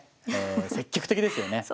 積極的ですよね。